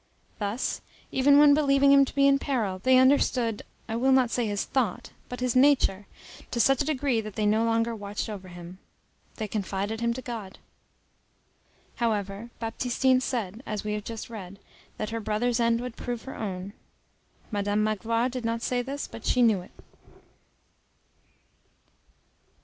Thus, even when believing him to be in peril, they understood, I will not say his thought, but his nature, to such a degree that they no longer watched over him. They confided him to God. Moreover, Baptistine said, as we have just read, that her brother's end would prove her own. Madame Magloire did not say this, but she knew it.